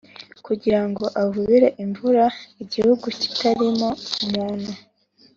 kugira ngo avubire imvura igihugu kitarimo umuntu